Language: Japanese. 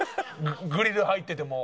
グリル入ってても。